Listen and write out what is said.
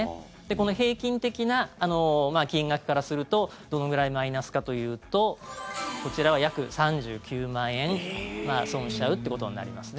この平均的な金額からするとどのぐらいマイナスかというとこちらは約３９万円損しちゃうってことになりますね。